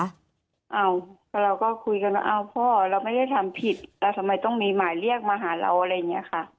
เราก็คุยกันว่าอ้าวพ่อเราไม่ได้ทำผิดแล้วทำไมต้องมีหมายเรียกมาหาเราอะไรอย่างนี้ค่ะ